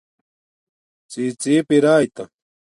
ڎی ڎیپ ارئئ تا